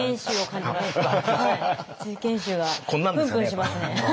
瑞賢臭がプンプンしますね。